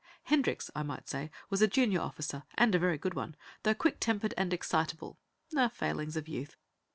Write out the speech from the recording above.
Hendricks, I might say, was a junior officer, and a very good one, although quick tempered and excitable failings of youth.